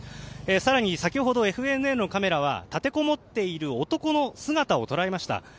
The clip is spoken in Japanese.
更に先ほどＦＮＮのカメラは立てこもっている男の姿を捉えました。